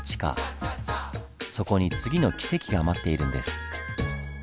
そこに次のキセキが待っているんです。